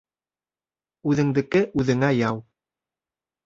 Үҙеңдеке үҙеңә яу.